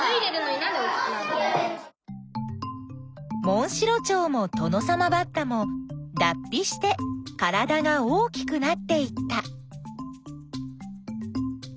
モンシロチョウもトノサマバッタもだっ皮して体が大きくなっていった。